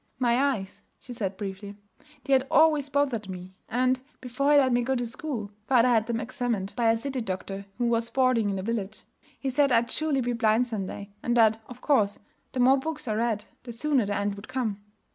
'My eyes,' she said briefly. 'They had always bothered me; and, before he let me go to school, father had them examined by a city doctor who was boarding in the village. He said I'd surely be blind some day; and that, of course, the more books I read, the sooner the end would come.'